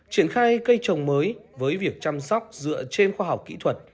triển khai cây trồng mới với việc chăm sóc dựa trên khoa học kỹ thuật